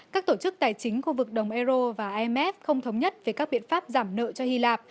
các tổ chức tài chính khu vực đồng euro và imf không thống nhất về các biện pháp giảm nợ cho hy lạp